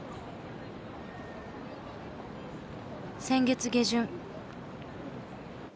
先月下旬。